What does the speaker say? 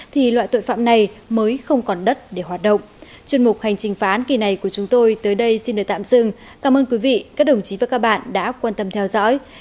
thì loại tội phạm này mới không còn đất để hoạt động